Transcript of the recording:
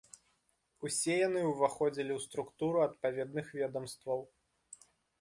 Усе яны ўваходзілі ў структуру адпаведных ведамстваў.